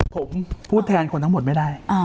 ผมพูดแทนคนทั้งหมดไม่ได้